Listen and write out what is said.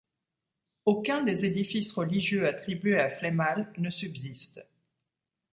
Aucun des édifices religieux attribués à Flémal ne subsistent.